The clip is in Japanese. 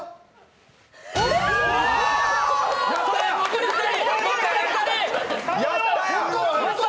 残り２人！